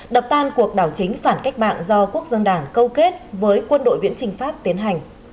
đập tan cuộc đảo chính phản cách mạng do quốc dân đảng câu kết với quân đội viễn trình pháp tiến hành